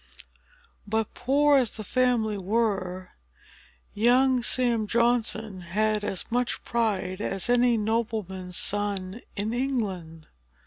But, poor as the family were, young Sam Johnson had as much pride as any nobleman's son in England.